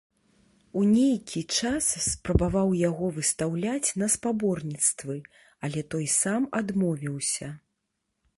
У нейкі час спрабаваў яго выстаўляць на спаборніцтвы, але той сам адмовіўся.